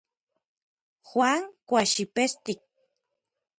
Juan kuaxipestik.